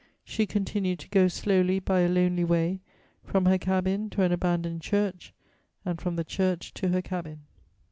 She continued to go slowly, by a lonely way, from her cabin to an abandoned church and from the church to her cabin.